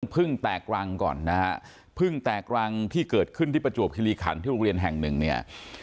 พึ่งแตกรังก่อนนะฮะพึ่งแตกรังที่เกิดขึ้นที่ประจวบคิริขันที่โรงเรียนแห่งหนึ่งเนี่ย